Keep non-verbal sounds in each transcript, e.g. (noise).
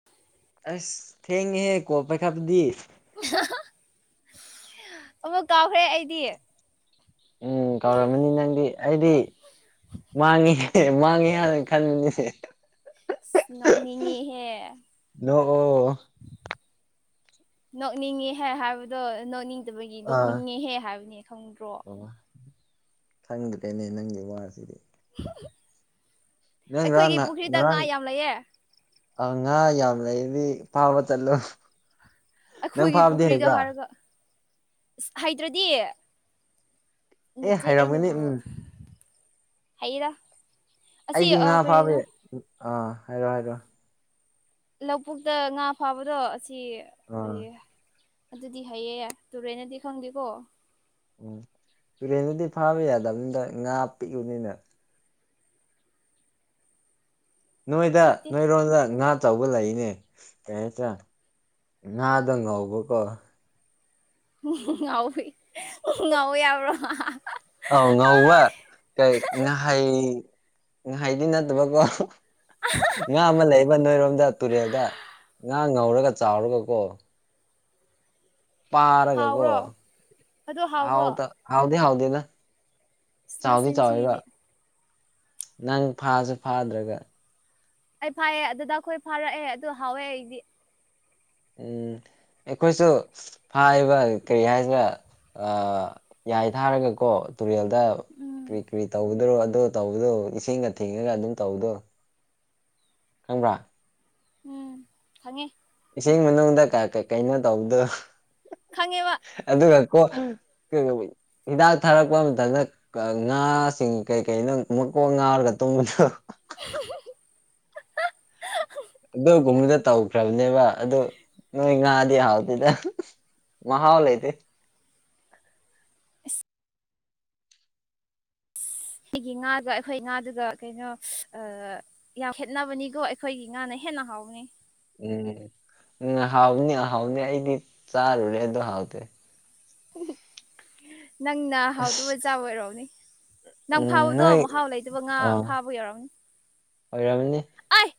(unintelligible) ꯑꯁ ꯊꯦꯡꯉꯦꯍꯦ ꯀꯣꯜ ꯄꯥꯏꯈꯥꯕꯗꯤ ꯑ (inaudible) ꯑꯃꯨꯛ ꯀꯥꯎꯈ꯭ꯔꯦ ꯑꯩꯗꯤ ꯎꯝ ꯀꯧꯔꯝꯃꯅꯤ ꯅꯪꯗꯤ ꯑꯩꯗꯤ ꯃꯥꯡꯉꯤ ꯃꯥꯡꯉꯤ ꯍꯥꯏꯔ (unintelligible) ꯅꯣꯛꯅꯤꯡꯉꯍꯦ ꯅꯣꯛꯑꯣ ꯅꯣꯛꯅꯤꯡꯉꯤꯍꯦ ꯍꯥꯏꯕꯗꯣ ꯅꯣꯛꯅꯤꯡ ꯗꯕꯒꯤ ꯑꯥ ꯅꯣꯛꯅꯤꯡꯉꯦ ꯍꯦ ꯍꯥꯏꯕꯅꯦ ꯈꯪꯗ꯭ꯔꯣ ꯑꯣ ꯈꯪꯗ꯭ꯔꯦꯅꯦ ꯅꯪꯒꯤ ꯋꯥꯁꯤꯗꯤ ꯅꯪ ꯑꯩꯈꯣꯏꯒꯤ ꯄꯨꯈ꯭ꯔꯤꯗ ꯉꯥ ꯌꯥꯝ ꯂꯩꯌꯦ ꯑ ꯉꯥ ꯌꯥꯝ ꯂꯩꯔꯗꯤ ꯐꯥꯕ ꯆꯠꯂꯨ ꯑꯩꯈꯣꯏꯒꯤ ꯄꯨꯈ꯭ꯔꯤꯗ ꯍꯥꯏꯔꯒ ꯑ ꯍꯩꯗ꯭ꯔꯗꯤ ꯑꯦ ꯅꯠꯇꯦ ꯍꯩꯔꯝꯒꯅꯤ ꯑꯩꯅꯕꯨ ꯎꯝ ꯍꯥꯏꯔꯥ ꯑꯁꯤ ꯑ ꯀꯗ ꯑ ꯍꯥꯏꯔꯣ ꯍꯥꯏꯔꯣ ꯂꯧꯕꯨꯛꯇ ꯉꯥ ꯐꯥꯕꯗꯣ ꯑꯁꯤ ꯑꯥ ꯀꯔꯤ ꯑꯗꯨꯗꯤ ꯍꯥꯏꯌꯦ ꯇꯨꯔꯦꯅꯗꯤ ꯈꯪꯗꯦꯀꯣ ꯎꯝ ꯇꯨꯔꯦꯟꯗꯨꯗꯤ ꯐꯥꯕ ꯌꯥꯗꯕꯅꯤꯗ ꯉꯥ ꯄꯤꯛꯎꯨꯅꯤꯅ ꯅꯣꯏꯗ ꯄꯤꯛꯇꯦ ꯅꯣꯏꯔꯣꯟꯗ ꯉꯥꯥꯛ ꯑꯆꯧꯕ ꯂꯩꯅꯦ ꯀꯔꯤ ꯍꯥꯏꯇꯥꯔ ꯉꯥꯗ ꯉꯧꯕꯀꯣ ꯎꯝ ꯉꯥꯎꯋꯤ ꯉꯥꯎꯏ ꯌꯥꯕ꯭ꯔꯣ ꯑꯥꯎ ꯉꯧꯕ ꯀꯩ ꯉꯍꯩ ꯉꯥꯏꯍꯩꯗꯤ ꯅꯠꯇꯕꯀꯣ ꯉꯥ ꯑꯃ ꯂꯩꯕ ꯅꯣꯏꯔꯣꯝꯗ ꯇꯨꯔꯦꯜꯗ ꯉꯥ ꯉꯧꯔꯒ ꯆꯥꯎꯔꯒ ꯀꯣ ꯄꯥꯔꯒꯀꯣ ꯍꯥꯎꯕ꯭ꯔꯣ ꯑꯗꯣ ꯍꯥꯎꯕ꯭ꯔꯣ ꯍꯥꯎꯇ ꯍꯥꯎꯗ ꯍꯥꯎꯗꯦꯗ ꯑꯁ ꯆꯥꯎꯥꯎꯗ ꯃꯆꯤꯟ ꯆꯥꯎꯥꯎꯋꯦꯕ ꯊꯤꯔꯤꯗꯤ ꯅꯪ ꯐꯥꯁꯨ ꯐꯥꯗ꯭ꯔꯒ ꯑꯩ ꯐꯥꯏꯌꯦ ꯑꯗꯨꯗ ꯑꯩꯈꯣꯏ ꯐꯥꯔꯛꯑꯦ ꯑꯗꯨ ꯍꯥꯎꯋꯦ ꯑꯩꯗꯤ ꯎꯝ ꯑꯩꯈꯣꯏꯁꯨ ꯐꯥꯏꯕ ꯀꯔꯤ ꯍꯥꯏꯁꯤꯅ ꯌꯥꯏ ꯊꯥꯔꯒꯀꯣ ꯇꯨꯔꯦꯜꯗ ꯀꯔꯤ ꯎꯝ ꯀꯔꯤ ꯇꯧꯒꯗꯔꯣ ꯑꯗꯣ ꯇꯧꯕꯗꯣ ꯏꯁꯤꯡꯒ ꯊꯦꯡꯉꯒ ꯑꯗꯨꯝ ꯇꯧꯕꯗꯣ ꯈꯪꯕ꯭ꯔꯥ ꯎꯝ ꯈꯪꯉꯤ ꯏꯁꯤꯡ ꯃꯅꯨꯡꯗ ꯀꯩꯅꯣ ꯇꯧꯗꯣ ꯈꯪꯉꯦꯕ ꯑꯗꯨꯒ ꯀꯣ ꯀ ꯍꯤꯗꯥꯛ ꯊꯥꯔꯛꯄ ꯃꯇꯝꯗ ꯉꯥꯁꯤꯡ ꯀꯩ ꯀꯩꯅ ꯃꯀꯣꯛ ꯉꯥꯎꯔꯒ ꯇꯨꯝꯕꯗꯣ (unintelligible) ꯑꯗꯨꯒꯒꯨꯝꯕꯗ ꯇꯧꯈ꯭ꯔꯕꯅꯦꯕ ꯑꯗꯨ ꯅꯣꯏ ꯉꯥꯗꯤ ꯍꯥꯎꯗꯦꯗ ꯃꯥꯥ ꯍꯜꯥꯏꯗꯤ ꯑ ꯑꯩꯒꯤ ꯉꯥꯒ ꯑꯩꯈꯣꯏ ꯉꯥꯗꯨꯒ ꯀꯩꯅꯣ ꯑ ꯌꯥꯝ ꯈꯦꯠꯅꯕꯅꯤꯀꯣ ꯑꯩꯈꯣꯏꯒꯤ ꯉꯥꯅ ꯍꯦꯟꯅ ꯍꯥꯎꯅꯤ ꯎꯝ ꯎꯝ ꯍꯥꯎꯅꯤ ꯍꯥꯎꯅꯤ ꯑꯩꯗꯤ ꯆꯥꯔꯨꯔꯦ ꯑꯗꯨꯣ ꯍꯥꯎꯗꯦ ꯅꯪꯅ ꯑꯁ ꯍꯥꯎꯗꯨꯖꯥ ꯑꯣꯏꯔꯣꯅꯦ ꯅꯪ ꯎꯝ ꯐꯥꯕꯗꯣ ꯅꯣꯏ ꯃꯍꯥꯎ ꯂꯩꯗꯨꯕ ꯉꯥ ꯑꯥ ꯐꯥꯕ ꯌꯧꯔꯝꯅꯤ ꯑꯣꯏꯔꯝꯅꯤ ꯑꯩ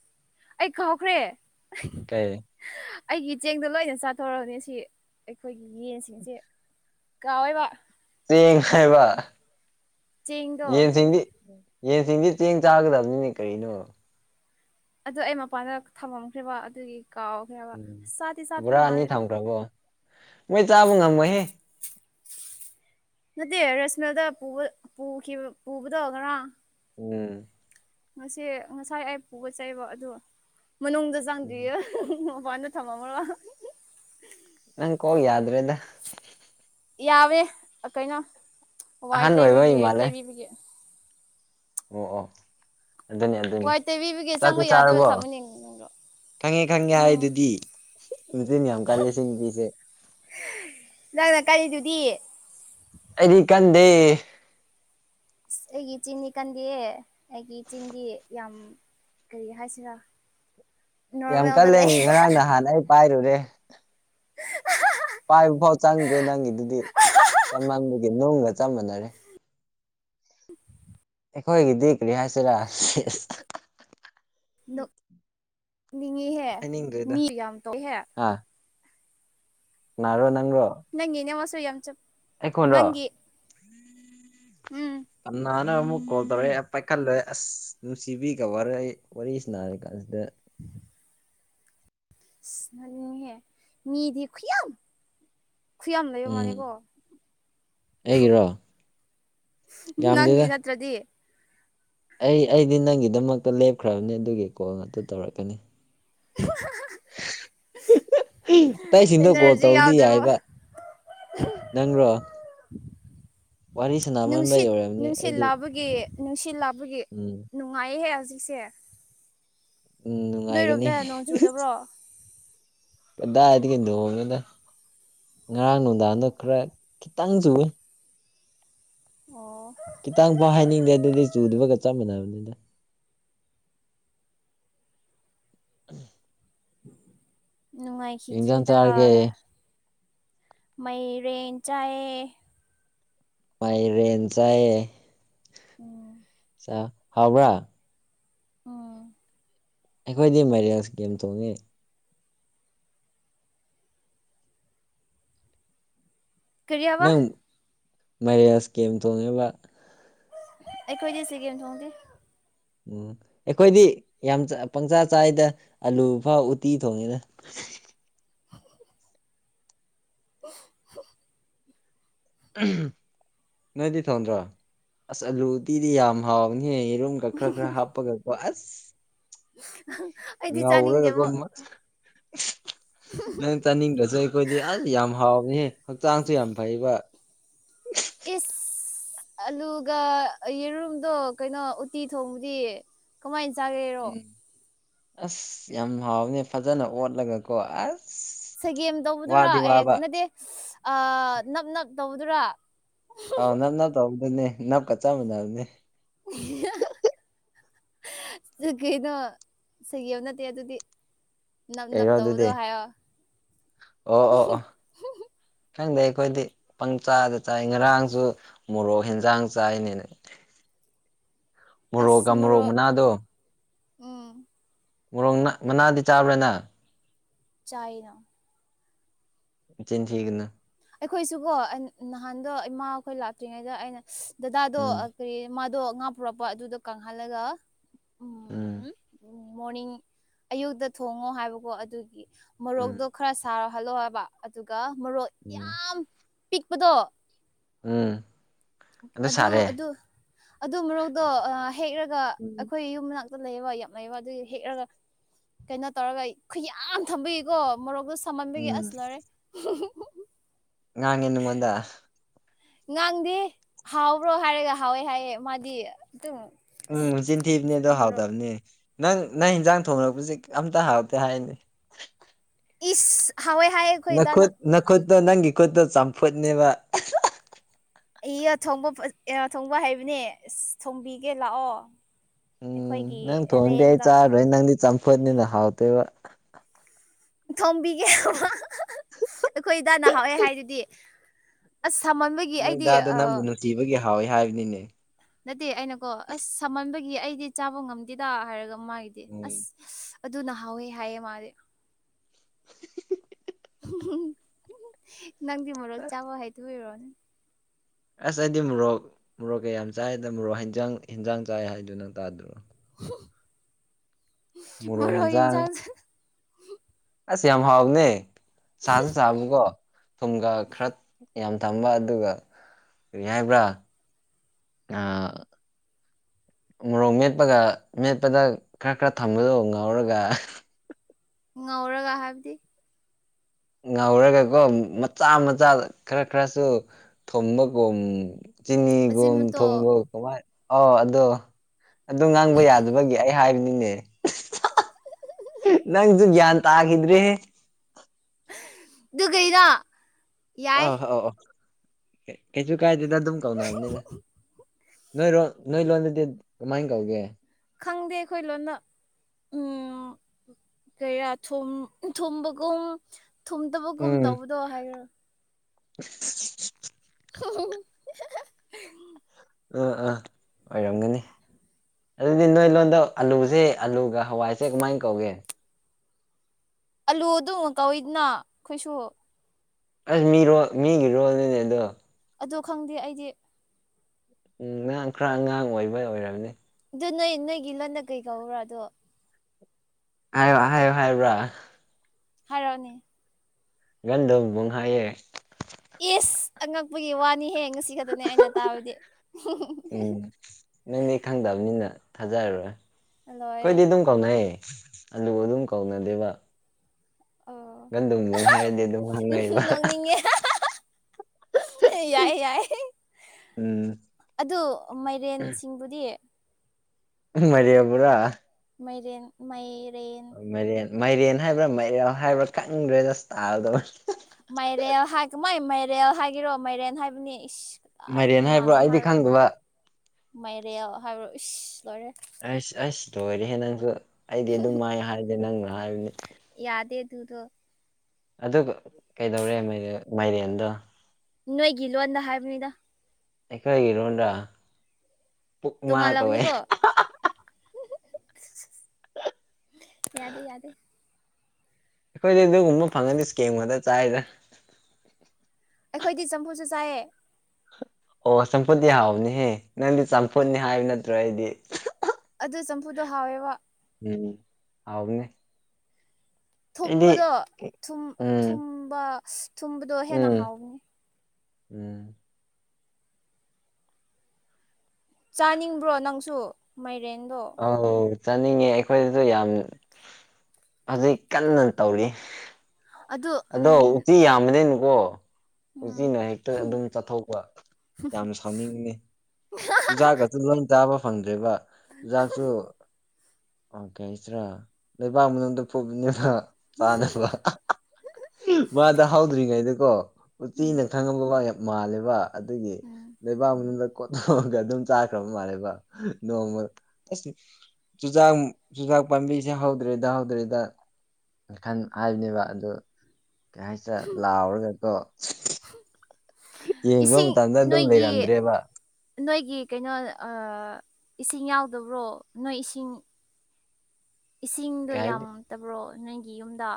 ꯑꯩ ꯈꯪꯍꯧꯈ꯭ꯔꯦ ꯀ ꯑꯩꯒꯤ ꯆꯦꯡꯗꯣ ꯂꯣꯏꯅ ꯆꯥꯊꯣꯔꯔꯕꯅꯤ ꯁꯤ ꯑꯩꯈꯣꯏꯒꯤ ꯌꯦꯟꯁꯤꯡꯁꯦ ꯀꯕꯕ ꯆꯦꯡ ꯍꯥꯏꯕ ꯆꯦꯡꯗꯣ ꯌꯦꯟꯁꯤꯡꯗꯤ ꯌꯦꯟꯁꯤꯡꯗꯤ ꯆꯦꯡ ꯆꯥꯒꯗꯕꯅꯤꯅꯦ ꯀꯔꯤꯅꯣ ꯑꯗꯨꯗ ꯑꯩ ꯃꯄꯥꯟꯗ ꯊꯝꯃꯝꯈ꯭ꯔꯦꯕ ꯑꯗꯨꯒꯤ ꯀꯥꯎꯈ꯭ꯔꯦꯕ ꯑꯁ ꯆꯥꯗꯤꯦ ꯆꯥꯄ ꯃꯥꯜꯂꯦ ꯕꯣ ꯃꯣꯏ ꯆꯥꯕ ꯉꯝꯃꯍꯦ ꯅꯠꯇꯦ ꯔꯁꯃꯦꯜꯗ ꯄꯨꯕꯗꯣ ꯉꯔꯥꯡ ꯎꯝ ꯉꯁꯤ ꯉꯁꯥꯏ ꯑꯩ ꯄꯨꯕ ꯆꯩꯕ ꯑꯗꯣ ꯃꯅꯨꯡꯗ ꯆꯪꯗ꯭ꯌꯦ ꯕꯥꯣꯏꯅ ꯊꯝꯕ ꯑꯃꯔꯣ ꯅꯪ ꯀꯣꯜ ꯌꯥꯗ꯭ꯔꯗ ꯌꯥꯋꯦ ꯀꯩꯅꯣ ꯋꯥꯏ ꯑꯍꯟ ꯇꯩꯕꯒꯤ ꯑꯣꯏꯕꯒꯤ ꯃꯥꯜꯂꯦ ꯇꯩꯕꯤꯕꯒꯤ ꯑꯣ ꯑꯣ ꯑꯗꯨꯅꯤ ꯑꯗꯨꯅꯤ ꯋꯥꯏ ꯇꯩꯕꯤꯕꯒꯤ ꯆꯥꯛꯀ ꯆꯪꯕ ꯌꯥꯗꯕ ꯆꯥꯔꯕꯣ ꯊꯝꯃꯅꯤ ꯎꯝ ꯈꯪꯉꯦ ꯈꯪꯉꯦ ꯍꯥꯏ ꯑꯗꯨꯗꯤ ꯅꯨꯆꯤꯟ ꯌꯥꯝ ꯀꯂꯦ ꯁꯤ ꯅꯨꯄꯤꯁꯦ ꯅꯪꯅ ꯀꯔꯤꯗꯨꯗꯤ ꯑꯩꯗꯤ ꯀꯟꯗꯦ ꯑꯁ ꯑꯩꯒꯤ ꯆꯤꯟꯅꯤ ꯀꯟꯗꯦꯌꯦ ꯑꯩꯒꯤ ꯆꯤꯟꯗꯤ ꯌꯥꯝ ꯀꯔꯤ ꯍꯥꯏꯁꯤꯔꯥ ꯌꯥꯝ ꯅꯣꯔꯃꯦꯜꯗ ꯀꯜꯂꯦ ꯂꯩ ꯉꯔꯥꯡ ꯅꯍꯥꯟꯅ ꯑꯩ ꯄꯥꯏꯔꯨꯔꯦ ꯄꯥꯏꯕ ꯐꯥꯎ ꯆꯪꯗ꯭ꯔꯦ ꯅꯪꯒꯤꯗꯨꯗꯤ ꯀꯃꯒꯦ ꯅꯨꯡꯒ ꯆꯞ ꯃꯥꯟꯅꯔꯦ ꯑꯩꯈꯣꯏꯒꯤꯗꯤ ꯀ꯭ꯔꯤ ꯍꯥꯏꯁꯤꯔꯥ ꯅꯪꯅꯤꯡꯉꯤꯍꯦ ꯍꯥꯏꯅꯤꯡꯗ꯭ꯔꯦꯗ ꯃꯤ ꯌꯥꯝ ꯇꯧꯏꯍꯦ ꯅꯔꯣ ꯅꯪꯔꯣ ꯅ ꯏꯅꯦꯦꯝꯁꯏ ꯌꯥꯝꯦꯝꯆ ꯑꯩꯈꯣꯟ꯭ꯔꯣ ꯎꯝ ꯀ ꯅꯕ ꯑꯃꯨꯛ ꯀꯣꯜ ꯇꯧꯔꯛꯑꯦ ꯄꯥꯏꯈꯠꯂꯦ ꯑꯁ ꯅꯨꯡꯁꯤꯕꯤꯒ ꯋꯥꯔꯤꯔ ꯑꯩ ꯋꯥꯔꯤꯁꯤ ꯅꯥꯔꯤ ꯀꯥꯟꯁꯤꯗ ꯎ ꯍꯦ ꯃꯤꯗꯤꯝ ꯈꯨꯨꯏꯌꯥꯝ ꯂꯩ ꯎꯝ ꯃꯥꯅꯦꯀꯣ ꯑꯩꯒꯤꯔꯣ ꯌꯥꯝꯗꯦꯗ ꯅꯪꯦꯅ ꯇ꯭ꯔꯗꯤ ꯑꯩ ꯑꯩꯗꯤ ꯅꯪꯒꯤꯗꯃꯛꯇ ꯂꯦꯞꯈ꯭ꯔꯕꯅꯤ ꯑꯗꯨꯒꯤ ꯀꯣꯜ ꯑꯗꯨ ꯇꯧꯔꯛꯀꯅꯤ ꯋꯥ ꯎ ꯑꯇꯩꯁꯤꯡꯗꯣ ꯀꯣꯜ ꯑꯦꯅꯔꯖꯤ ꯇꯧꯗꯤ ꯌꯥꯎꯗ꯭ꯔꯦꯕꯣ ꯌꯥꯏꯕ ꯅꯪ꯭ꯔꯣ ꯅꯨꯡꯁꯤꯠ ꯑꯣꯏꯔꯝꯅꯤ ꯅꯨꯡꯁꯤꯠ ꯑꯩꯗꯤ ꯂꯥꯛꯕꯒꯦ ꯅꯨꯡꯁꯤꯠ ꯂꯥꯛꯕꯒꯦ ꯎꯝ ꯅꯨꯡꯉꯥꯏꯍꯦ ꯍꯧꯖꯤꯛꯁꯦ ꯎꯝ ꯅꯨꯡꯉꯥꯏꯒꯅꯤ ꯇꯕ꯭ꯔꯣ ꯀꯗꯥꯏꯗꯤ ꯀꯩꯗꯧꯡꯅ ꯉꯔꯥꯡ ꯅꯨꯡꯗꯥꯡꯗꯣ ꯈꯔ ꯈꯤꯇꯪ ꯆꯨꯏ ꯑꯣ ꯉꯇꯥꯡꯐꯥꯎ ꯍꯥꯏꯅꯤꯡꯗꯦ ꯑꯗꯨꯗꯤ ꯆꯨꯗꯨꯕꯒ ꯆꯞ ꯃꯥꯟꯅꯕꯅꯤꯅ ꯎꯝ ꯏꯟꯖꯥꯡ ꯆꯥꯔꯒꯦ ꯅꯨꯡꯉꯥꯏꯈꯤꯗ꯭꯭ꯔꯔꯤꯒꯗ ꯃꯩꯔꯦꯟ ꯆꯥꯏꯌꯦ ꯃꯥꯏꯔꯦꯟꯦꯟꯁ ꯑꯦ ꯎꯝ ꯑ ꯍꯥꯎꯕ꯭ꯔꯥ ꯎꯝ ꯑꯩꯈꯣꯏꯗꯤ ꯃꯥꯏꯔꯦꯜꯁ ꯒꯦꯝ ꯇꯣꯡꯉꯤ ꯀꯔꯤ ꯍꯥꯏꯕ ꯅꯪ ꯃꯔꯤꯌꯥꯁ ꯀꯦꯝ ꯊꯣꯡꯉꯤꯕ ꯑꯩꯈꯣꯏꯗꯤ ꯁꯤ ꯀꯦꯝ ꯊꯣꯡꯦ ꯎꯝ ꯑꯩꯈꯣꯏꯗꯤ ꯌꯥꯝ ꯄꯪꯆꯥ ꯆꯥꯏꯗ ꯑꯂꯨ ꯐꯥꯎ ꯎꯇꯤ ꯊꯣꯡꯉꯦꯅ ꯑ ꯅꯣꯏꯗꯤ ꯊꯣꯟꯗ꯭ꯔꯣ ꯑꯁ ꯑꯂꯨꯗꯤꯤꯗꯤ ꯌꯥꯝ ꯍꯥꯎꯕꯅꯤꯍꯦ ꯌꯦꯔꯨꯝ ꯈ ꯈꯔ ꯈꯔ ꯍꯥꯞꯄꯒꯄꯣ ꯑꯁ (inaudible) ꯉꯥꯎꯔꯒ ꯀ ꯆꯥꯅꯤꯡꯗꯦꯕꯣ ꯅꯪ ꯆꯥꯅꯤꯡꯕꯁꯨ ꯑꯩꯈꯣꯏꯗꯤ ꯑꯁ ꯌꯥꯝ ꯍꯥꯎꯕꯍꯦ ꯍꯛꯆꯥꯡꯁꯨ ꯌꯥꯝ ꯐꯩꯕ ꯏꯁ ꯑꯂꯨꯒ ꯌꯦꯔꯨꯝꯗꯣ ꯀꯩꯅꯣ ꯎꯇꯤ ꯊꯣꯡꯕꯗꯤ ꯀꯃꯥꯏꯅ ꯆꯥꯒꯦꯔꯣ ꯎꯝ ꯑꯁ ꯌꯥꯝ ꯍꯥꯎꯕꯅꯦ ꯐꯖꯅ ꯑꯣꯠꯂꯒꯀꯣ ꯑꯁ ꯁꯒꯦꯝ ꯇꯧꯕꯗꯨꯔꯥ ꯋꯥꯗꯤ ꯑꯦ ꯋꯥꯕ ꯅꯠꯇꯦ ꯑ ꯅꯞ ꯅꯞ ꯇꯧꯕꯗꯨꯔꯥ ꯑꯥꯎ ꯅꯞ ꯅꯞ ꯇꯧꯕꯅꯦ ꯅꯞꯀ ꯆꯞ ꯃꯥꯟꯅꯕꯅꯦ (unintelligible) ꯁꯒꯩꯅꯣ ꯁꯒ ꯑꯃ ꯅꯠꯇꯦ ꯑꯗꯨꯗꯤ ꯅꯞ ꯅꯞ ꯀꯩꯔꯣ ꯇꯧꯕꯗꯣ ꯑꯗꯨꯗꯤ ꯍꯥꯏꯌꯣ ꯈꯈꯤꯗꯩ ꯑꯩꯈꯣꯏꯗꯤ ꯄꯪꯆꯥꯥꯗ ꯆꯥꯏ ꯉꯔꯥꯡꯁꯨ ꯃꯣꯔꯣꯛ ꯌꯦꯟꯖꯥꯡ ꯆꯥꯏꯅꯦꯅꯦ ꯃꯣꯔꯣꯛꯀ ꯑꯁꯃꯣꯔꯣ ꯃꯣꯔꯣꯛ ꯃꯅꯥꯗꯣ ꯎꯝ ꯃꯣꯔꯣꯡ ꯃꯅꯥꯗꯤ ꯆꯥꯕ꯭ꯔꯥꯅ ꯆꯥꯏꯅꯥ ꯃꯆꯤꯟ ꯊꯤꯒꯅꯨ ꯑꯩꯈꯣꯏꯁꯨꯀꯣ ꯅꯍꯥꯟꯗꯣ ꯏꯃꯥ ꯈꯣꯏ ꯂꯥꯛꯇ꯭ꯔꯤꯉꯩꯗ ꯑꯩꯅ ꯗꯗꯥꯗꯣ ꯎꯝ ꯀꯔꯤ ꯃꯥꯗꯣ ꯉꯥ ꯄꯨꯔꯛꯄ ꯑꯗꯨꯗꯣ ꯀꯪꯍꯜꯂꯒ ꯎꯝ ꯃꯣꯔꯅꯤꯡ ꯑꯌꯨꯛꯇ ꯊꯣꯡꯉꯣ ꯍꯥꯏꯕꯀꯣ ꯑꯗꯨꯒꯤ ꯎꯝ ꯃꯣꯔꯣꯛꯗꯣ ꯈꯔ ꯁꯥꯍꯜꯂꯣ ꯍꯥꯏꯕ ꯑꯗꯨꯒ ꯃꯣꯔꯣꯛ ꯎꯝ ꯌꯥꯝ ꯄꯤꯛꯄꯗꯣ ꯎꯝ ꯑꯗꯨ ꯑꯗꯨ ꯑꯗꯨ ꯃꯣꯔꯣꯛꯗꯣ ꯍꯦꯛꯂꯒ ꯎꯝ ꯑꯩꯈꯣꯏ ꯌꯨꯝꯅꯥꯛ ꯂꯩꯑꯦꯕ ꯌꯥꯝ ꯂꯩꯑꯦꯕ ꯑꯗꯨ ꯍꯦꯛꯑꯒ ꯀꯩꯅꯣ ꯇꯧꯔꯒ ꯈꯨꯌꯥꯝ ꯊꯝꯕꯒꯤꯀꯣ ꯃꯣꯔꯣꯛꯇꯣ ꯁꯃꯥꯟꯕꯒꯤ ꯎꯝ ꯑꯁ ꯂꯣꯢꯔꯦ ꯉꯥꯡꯉꯦ ꯅꯉꯣꯟꯗ ꯉꯥꯡꯗꯦ ꯍꯥꯎꯕ꯭ꯔꯣ ꯍꯥꯏꯔꯒ ꯍꯥꯎꯋꯦ ꯍꯥꯎꯑꯦ ꯃꯥꯗꯤ ꯑꯗꯨꯝ ꯎꯝ ꯏꯁ ꯃꯆꯤꯟꯊꯤꯕꯅꯦ ꯑꯗꯣ ꯃꯣꯔꯣꯛ ꯍꯥꯎꯗꯕꯅꯤ ꯅꯪ ꯅꯪ ꯏꯟꯖꯥꯡ ꯊꯣꯡꯉꯔꯛꯄꯁꯤ ꯑꯝꯇ ꯍꯥꯎꯇꯦ ꯍꯥꯏꯅꯤ ꯏꯁ ꯍꯥꯎꯋꯦ ꯍꯥꯏꯌꯦ ꯑꯩꯈꯣꯏ ꯗꯥꯅ ꯅꯈꯨꯠ ꯅꯈꯨꯠꯇꯣ ꯅꯪꯒꯤ ꯈꯨꯠꯇꯣ ꯆꯝꯐꯨꯠꯅꯦꯕ ꯑꯩꯊꯣꯡꯕ ꯑꯩ ꯊꯣꯡꯕ ꯍꯥꯏꯕꯅꯦ ꯑꯁ ꯊꯣꯡꯕꯤꯒꯦ ꯂꯥꯛꯑꯣ ꯑꯩꯈꯣꯏꯒꯤ ꯎꯝ ꯅꯪ ꯊꯣꯡꯗꯤ ꯑꯩ ꯔꯦꯟꯗ ꯆꯥꯔꯔꯣꯏ ꯅꯪꯗꯤ ꯆꯝꯐꯨꯠꯅꯤꯅ ꯍꯥꯎꯇꯣꯏꯕ ꯊꯣꯝꯕꯤꯒꯦꯕ ꯑꯩꯈꯣꯏ ꯗꯥꯅ ꯍꯥꯎꯑꯦ ꯍꯥꯏꯗꯨꯗꯤ ꯑꯁ ꯁꯥꯃꯥꯟꯕ ꯅꯣꯏ ꯗꯥꯗ ꯅꯪꯕꯨ ꯅꯨꯡꯁꯤꯕꯒꯤ ꯍꯥꯎꯋꯦ ꯍꯥꯏꯕꯅꯤꯅꯦ ꯅꯠꯇꯦ ꯑꯩꯅꯀꯣ ꯑꯁ ꯁꯃꯟꯕꯒꯤ ꯑꯩꯗꯤ ꯆꯥꯕ ꯉꯝꯗꯦꯗ ꯍꯥꯏꯔꯒ ꯃꯥꯒꯤꯗꯤ ꯑꯁ ꯎꯝ ꯑꯗꯨꯅ ꯍꯥꯎꯋꯦ ꯍꯥꯏꯌꯦ ꯃꯥꯗꯤ ꯅꯪꯗꯤ ꯃꯣꯔꯣꯛ ꯆꯥꯕ ꯍꯥꯏꯇꯕꯩ ꯑꯣꯏꯔꯣꯅꯤ ꯑꯁ ꯑꯩꯗꯤ ꯃꯣꯔꯣꯛ ꯃꯣꯔꯣꯛꯀ ꯌꯥꯝ ꯆꯥꯏꯗ ꯃꯣꯔꯣꯛ ꯍꯤꯟꯖꯥꯡ ꯍꯤꯟꯖꯥꯡ ꯆꯥꯏ ꯍꯥꯏꯗꯨ ꯅꯪ ꯇꯥꯗꯔꯣ ꯃꯣꯔꯣꯛ ꯌꯦꯟꯁꯥꯡ ꯑꯁ ꯌꯥꯝ ꯍꯥꯎꯕꯅꯦ ꯁꯥꯁꯨ ꯆꯥꯕꯀꯣ ꯊꯨꯝꯒ ꯈꯔ ꯌꯥꯝ ꯊꯝꯕ ꯑꯗꯨꯒ ꯀꯔꯤ ꯍꯥꯏꯕ꯭ꯔꯥ ꯃꯣꯔꯣꯛ ꯃꯦꯠꯄꯒ ꯃꯦꯠꯄꯗ ꯈꯔ ꯈꯔ ꯊꯝꯕꯗꯣ ꯉꯥꯎꯔꯒ ꯉꯧꯔꯒ ꯍꯥꯏꯕꯗꯤ ꯉꯧꯔꯒꯀꯣ ꯃꯆꯥ ꯃꯆꯥ ꯈꯔ ꯈꯔꯁꯨ ꯊꯣꯝꯕꯒꯣꯝ ꯆꯤꯅꯤꯒꯨꯝ ꯑꯖꯤꯟꯃꯇꯣ ꯊꯣꯡꯕ ꯀꯃꯥꯏꯅ ꯑꯥꯎ ꯑꯗꯣ ꯑꯗꯨ ꯉꯥꯡꯕ ꯌꯥꯗꯕꯒꯤ ꯑꯩ ꯍꯥꯏꯕꯅꯤꯅꯦ ꯅꯪꯁꯨ ꯒ꯭ꯌꯥꯟ ꯇꯥꯈꯤꯗ꯭ꯔꯦ ꯑꯗꯨ ꯀꯩꯅꯣ ꯑ ꯑꯧ ꯑ ꯀꯩꯁꯨ ꯀꯥꯏꯗꯦꯗ ꯑꯗꯨꯝ ꯀꯧꯅꯕꯅꯤꯅ ꯅꯣꯏ ꯅꯣꯏ ꯂꯣꯟꯗꯗꯤ ꯀꯃꯥꯏꯅ ꯀꯧꯒꯦ ꯈꯪꯗꯦ ꯑꯩꯈꯣꯏ ꯂꯣꯟꯗ ꯎꯝ ꯀꯌꯥ ꯊꯨꯝꯕꯒꯨꯝ ꯊꯨꯝꯗꯕꯒꯨꯝ ꯎꯝ ꯇꯧꯕꯗꯣ ꯍꯥꯏꯈ꯭ꯔꯣ (unintelligible) ꯍ (inaudible) ꯑꯥ ꯑꯥ ꯑꯣꯏꯔꯝꯒꯅꯤ ꯑꯗꯨꯗꯤ ꯅꯣꯏ ꯂꯣꯟꯗ ꯑꯥꯂꯨꯁꯦ ꯑꯂꯨꯒ ꯍꯋꯥꯏꯁꯦ ꯀꯃꯥꯏꯅ ꯀꯧꯒꯦ ꯑꯂꯨ ꯑꯗꯨꯝ ꯀꯧꯋꯤꯗꯅ ꯑꯩꯈꯣꯏꯁꯨ ꯑꯁ ꯃꯤꯔꯣꯜ ꯃꯤꯒꯤ ꯔꯣꯜꯅꯤꯅꯦ ꯑꯗꯣ ꯑꯗꯣ ꯈꯪꯗꯦ ꯑꯩꯗꯤ ꯎꯝ ꯅꯪ ꯈꯔ ꯑꯉꯥꯡ ꯑꯣꯏꯕꯩ ꯑꯣꯏꯔꯝꯅꯤ ꯑꯗꯨ ꯅꯣꯏ ꯅꯣꯏꯒꯤ ꯂꯣꯟꯗ ꯀꯔꯤ ꯀꯧꯕꯔꯥ ꯑꯗꯣ ꯍꯥꯏꯌꯣ ꯍꯥꯏꯌꯣ ꯍꯥꯏꯕ꯭ꯔꯥ ꯍꯥꯢꯔꯛꯑꯣꯅꯣ ꯀꯟꯗꯕꯨꯡ ꯍꯩ (inaudible) ꯏꯁ ꯑꯉꯛꯄꯒꯤ ꯋꯥꯅꯤꯍꯦ ꯉꯁꯤ ꯈꯛꯇꯅꯦ ꯑꯩꯅ ꯇꯥꯕꯗꯤ ꯎꯝ ꯅꯪꯅꯤ ꯈꯪꯗꯕꯅꯤꯅ ꯊꯥꯖꯔꯔꯣꯏ ꯑꯩꯈꯣꯏꯗꯤ ꯂꯣꯏꯔꯦ ꯑꯗꯨꯝ ꯀꯧꯅꯩ ꯑꯂꯨ ꯑꯗꯨꯝ ꯀꯧꯅꯗꯦꯕ ꯑꯣ ꯒꯟꯗꯨꯝꯕꯨꯡ ꯍꯥꯏꯔꯗꯤ ꯑꯗꯨꯝ ꯈꯪꯅꯩꯕ ꯎꯝ ꯅꯣꯛꯅꯤꯡꯉꯦ ꯍꯦ ꯌꯥꯏ ꯌꯥꯏ ꯎꯝ ꯑꯗꯨ ꯃꯥꯏꯔꯦꯟꯁꯤꯡꯗꯨꯗꯤ ꯃꯥꯏꯔꯦꯜ ꯕꯨꯔꯥ ꯃꯩꯔꯦꯟ ꯃꯩꯔꯦꯟ ꯃꯥꯏꯔꯦꯟ ꯃꯥꯏꯔꯦꯟ ꯍꯥꯏꯕ꯭ꯔꯥ ꯃꯩꯔꯦꯜ ꯍꯥꯏꯕ꯭ꯔꯥ ꯀꯪꯗ꯭ꯔꯦꯗ ꯁꯇꯥꯜꯗꯣ ꯃꯥꯏꯔꯦꯜ ꯍꯥꯏ ꯀꯃꯥꯏ ꯃꯥꯏꯔꯦꯜ ꯍꯥꯏꯒꯤꯔꯣ ꯃꯥꯏꯔꯦꯟ ꯍꯥꯏꯕꯅꯤ ꯀꯗꯥꯏꯗꯩ ꯃꯥꯏꯔꯦꯟ ꯀꯅꯥꯅ ꯍꯥꯏꯕ꯭ꯔꯣ ꯑꯩꯗꯤ ꯍꯥꯏꯔꯛꯏꯅꯣ ꯈꯪꯗꯕ ꯃꯥꯏꯔꯦꯜ ꯍꯥꯏꯕ ꯏꯁ ꯂꯣꯏꯔꯦ ꯑꯩꯁ ꯑꯩꯁ ꯑꯣꯏꯔꯦꯍꯦ ꯅꯪꯖꯨ ꯑꯩꯗꯤ ꯑꯗꯨꯝ ꯃꯥꯏ ꯍꯥꯏꯗꯦ ꯅꯪꯅ ꯍꯥꯏꯕꯅꯤ ꯌꯥꯗꯦ ꯑꯗꯨꯗꯣ ꯑꯗꯨꯒ ꯀꯩꯗꯧꯔꯦ ꯃꯥꯏꯔꯦꯜ ꯃꯥꯏꯔꯦꯟꯗꯣ ꯅꯣꯏꯒꯤ ꯂꯣꯟꯗ ꯍꯥꯏꯕꯅꯤꯗ ꯑꯩꯈꯣꯏꯒꯤꯔꯣꯟꯗ ꯇꯣꯉꯥꯟ ꯂꯝꯅꯤꯀꯣ ꯑꯁ ꯌꯥꯗꯦ ꯌꯥꯗꯦ ꯑꯩꯈꯣꯏꯗꯤ ꯑꯗꯨꯒꯨꯝꯕ ꯐꯪꯉꯗꯤ ꯏꯁꯀꯦꯝ ꯉꯥꯇ ꯆꯥꯏꯗ ꯑꯩꯈꯣꯏꯗꯤ ꯆꯝꯐꯨꯠꯁꯨ ꯆꯥꯏꯌꯦ ꯑꯣ ꯆꯝꯐꯨꯠꯇꯤ ꯍꯥꯎꯕꯅꯦꯍꯦ ꯅꯪꯗꯤ ꯆꯝꯐꯨꯠꯅꯤ ꯍꯥꯏꯕ ꯅꯠꯇ꯭ꯔꯣ ꯑꯩꯗꯤ ꯑꯗꯨ ꯆꯝꯐꯨꯠꯇꯣ ꯍꯥꯎꯋꯦꯕ ꯎꯝ ꯍꯥꯎꯕꯅꯦ ꯑꯩꯗꯤ ꯊꯨꯝꯕꯗꯣ ꯊꯨꯝ ꯎꯝ ꯊꯨꯝꯕ ꯊꯨꯝꯕꯗꯣ ꯍꯦꯟꯅ ꯎꯝ ꯍꯥꯎꯕꯅꯤ ꯎꯝ ꯆꯥꯅꯤꯡꯕ꯭ꯔꯣ ꯅꯪꯁꯨ ꯃꯥꯏꯔꯦꯟꯗꯣ ꯑꯧ ꯆꯥꯅꯤꯡꯉꯦ ꯑꯩꯈꯣꯏꯗꯁꯨ ꯌꯥꯝ ꯍꯧꯖꯤꯛ ꯀꯟꯅ ꯇꯧꯔꯤ ꯑꯗꯨ ꯑꯗꯣ ꯎꯝ ꯎꯆꯤ ꯌꯥꯝꯕꯅꯤ ꯑꯣ ꯎꯝ ꯎꯆꯤꯅ ꯍꯦꯛꯇ ꯑꯗꯨꯝ ꯆꯠꯊꯣꯛꯕ ꯌꯥꯝ ꯁꯥꯎꯅꯤꯡꯉꯦ ꯆꯨꯖꯥꯛꯀꯁꯨ ꯂꯣꯏꯅ ꯆꯥꯕ ꯐꯪꯗ꯭ꯔꯦꯕ ꯆꯨꯖꯥꯛꯁꯨ ꯑꯣ ꯀꯩ ꯍꯥꯏꯁꯤꯔꯥ ꯂꯩꯕꯥꯛ ꯃꯅꯨꯡꯗ ꯐꯨꯝꯃ ꯆꯥꯅꯕ ꯃꯥꯗꯣ ꯍꯥꯎꯗ꯭ꯔꯤꯉꯩꯗꯀꯣ ꯎꯆꯤꯅ ꯎꯝ ꯈꯪꯉꯕꯀ ꯌꯥꯝ ꯃꯥꯜꯂꯦꯕ ꯑꯗꯨꯒꯤ ꯎꯝ ꯂꯩꯕꯥꯛ ꯃꯅꯨꯡꯗ ꯀꯣꯠ ꯊꯣꯛꯑꯒ ꯑꯗꯨꯝ ꯆꯥꯈ꯭ꯔꯕ ꯃꯥꯜꯂꯦꯕ ꯅꯣꯡꯃ ꯑꯁ ꯆꯨꯖꯥꯛ ꯆꯨꯖꯥꯛ ꯄꯥꯝꯕꯤꯁꯦ ꯍꯧꯗ꯭ꯔꯦꯗ ꯍꯧꯗ꯭ꯔꯦꯗ ꯃꯈꯟ ꯍꯥꯏꯕꯅꯦꯕ ꯑꯗꯨ ꯀꯩ ꯍꯥꯏꯁꯦꯔ ꯂꯥꯎꯔꯒꯀꯣ ꯍꯝ ꯌꯦꯡꯕ ꯏꯁꯤꯡ ꯃꯇꯝꯗ ꯑꯗꯨꯝ ꯅꯣꯏꯒꯤ ꯂꯩꯔꯝꯗ꯭ꯔꯦꯕ ꯅꯣꯏꯒꯤ ꯀꯩꯅꯣ ꯑ ꯏꯁꯤꯡ ꯌꯥꯎꯗꯕ꯭ꯔꯣ ꯅꯣꯏ ꯏꯁꯤꯡ ꯏꯁꯤꯡꯗꯣ ꯀꯩ ꯍꯥꯏꯕꯗꯤ ꯌꯥꯝꯇꯕ꯭ꯔꯣ ꯅꯣꯏꯒꯤ ꯌꯨꯝꯗ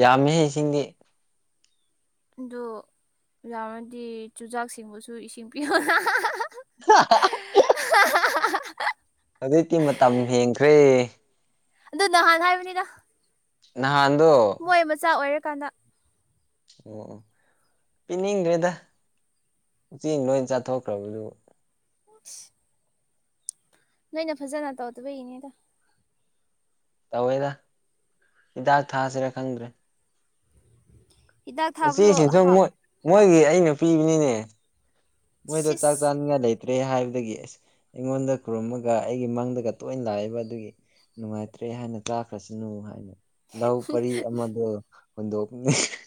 ꯌꯥꯝꯃꯤꯍꯩ ꯏꯁꯤꯡꯗꯤ ꯑꯗꯨ ꯌꯥꯔꯗꯤ ꯆꯨꯖꯥꯛꯁꯤꯡꯕꯨꯁꯨ ꯏꯁꯤꯡ ꯄꯤꯎꯅ ꯑ (unintelligible) ꯑꯗꯨꯀꯤ ꯃꯇꯝ ꯍꯦꯟꯈ꯭ꯔꯦ ꯑꯗꯨ ꯅꯍꯥꯟ ꯍꯥꯏꯕꯅꯤꯗ ꯅꯍꯥꯟꯗꯣ ꯍꯣꯏ ꯃꯆꯥ ꯑꯣꯏꯔꯀꯥꯟꯗ ꯑꯣ ꯑꯣ ꯄꯤꯅꯤꯡꯗ꯭ꯔꯦꯗ ꯎꯆꯤꯅ ꯂꯣꯏ ꯆꯥꯊꯣꯛꯈ꯭ꯔꯕꯗꯨꯕꯨ ꯠ (unintelligible) ꯅꯣꯏꯅ ꯐꯖꯅ ꯇꯧꯗꯕ ꯏꯅꯦꯗ ꯇꯧꯋꯦꯗ ꯍꯤꯗꯥꯛ ꯊꯥꯁꯤꯔꯥ ꯈꯪꯗ꯭ꯔꯦ ꯍꯤꯗꯥꯛ ꯊꯥꯕꯗꯣ ꯎꯆꯦꯁꯤꯁꯨ ꯍꯥꯞ ꯃꯣꯏꯒꯤ ꯑꯩꯅ ꯄꯤꯕꯅꯤꯅꯦ ꯃꯣꯏꯗꯣ ꯆꯥꯛ ꯁꯤꯁ ꯆꯥꯅꯤꯡꯉꯥꯏ ꯂꯩ ꯇ꯭ꯔꯦ ꯍꯥꯏꯕꯗꯒꯤ ꯑꯁ ꯑꯩꯉꯣꯟꯗ ꯈꯨꯔꯨꯝꯃꯒ ꯑꯩꯒꯤ ꯃꯡꯗꯒ ꯇꯣꯏꯅ ꯂꯥꯛꯑꯕ ꯑꯗꯨꯒꯤ ꯅꯨꯡꯉꯥꯏꯇ꯭ꯔꯦ ꯍꯥꯏꯅ ꯆꯥꯈ꯭ꯔꯁꯅꯨ ꯍꯥꯏꯅ ꯂꯧ ꯄꯔꯤ ꯑꯃꯗꯣ ꯍꯨꯟꯗꯣꯛ